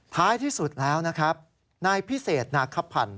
ท้ายที่สุดแล้วนะครับนายพิเศษนาคพันธ์